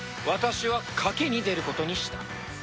私は賭けに出ることにした